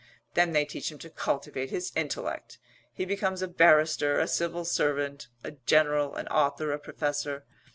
Then they teach him to cultivate his intellect. He becomes a barrister, a civil servant, a general, an author, a professor.